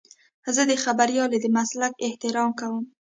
زه د خبریالۍ د مسلک احترام کوم.